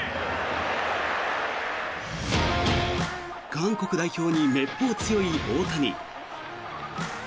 韓国代表にめっぽう強い大谷。